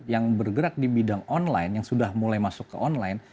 yang bergerak di bidang online yang sudah mulai masuk ke online